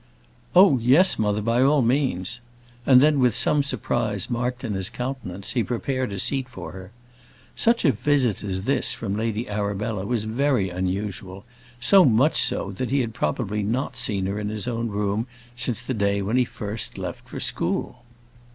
"Oh, yes, mother; by all means:" and then, with some surprise marked in his countenance, he prepared a seat for her. Such a visit as this from Lady Arabella was very unusual; so much so, that he had probably not seen her in his own room since the day when he first left school.